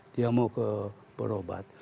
dia mau ke perobat